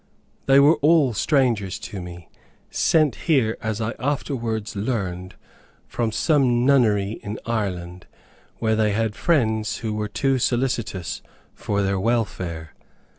They were all strangers to me, sent here, as I afterwards learned, from some nunnery in Ireland, where they had friends who were too solicitous for their welfare.